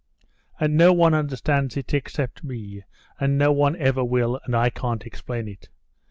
And no one understands it except me, and no one ever will; and I can't explain it.